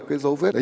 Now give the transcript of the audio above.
cái dấu vết đấy